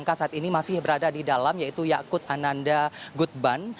jadi tersangka saat ini masih berada di dalam yaitu yakut ananda gutban